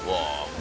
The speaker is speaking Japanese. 何？